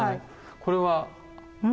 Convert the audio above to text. これは？